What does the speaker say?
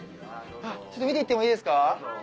ちょっと見ていってもいいですか？